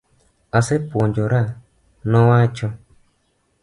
Asepuojora, nowacho.